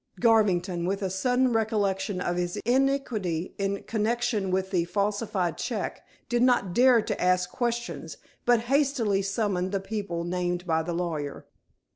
Garvington, with a sudden recollection of his iniquity in connection with the falsified check, did not dare to ask questions, but hastily summoned the people named by the lawyer.